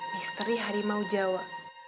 misteri harimau jawa